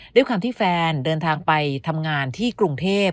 ด้วยความที่แฟนเดินทางไปทำงานที่กรุงเทพ